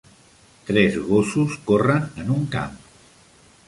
Tres gossos corren en un camp.